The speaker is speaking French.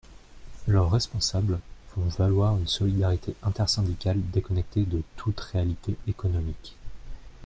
Leurs responsables font valoir une solidarité intersyndicale déconnectée de toute réalité économique.